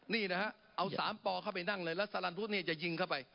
นี่นะฮะเอา๓ปอเข้าไปนั่งเลยแล้วสลันพุทธนี่จะยิงเข้าไป